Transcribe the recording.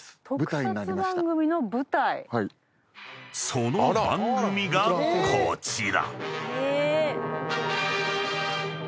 ［その番組がこちら］